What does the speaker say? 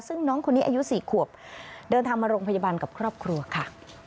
ซึ่งน้องคนนี้อายุ๔ขวบเดินทางมาโรงพยาบาลกับครอบครัวค่ะ